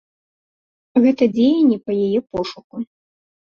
Гэта дзеянні па яе пошуку.